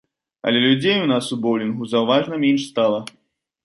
Але людзей у нас у боулінгу заўважна менш стала.